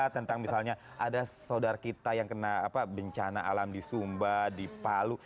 tentang misalnya ada saudara kita yang kena bencana alam di sumba di palu